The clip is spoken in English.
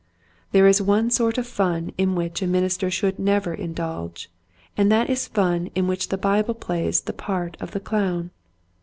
There is one sort of fun in which a min ister should never indulge, and that is fun in which the Bible plays the part of the clown.